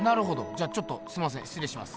じゃちょっとすみませんしつれいします。